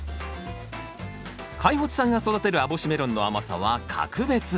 開發さんが育てる網干メロンの甘さは格別。